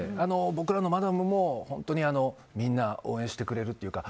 僕らのマダムも本当にみんな応援してくれるというか。